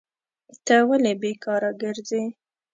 ته ولي بیکاره کرځي؟